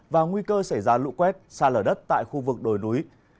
và nguy cơ xảy ra lũ quét xa lở đất tại khu vực đồi núi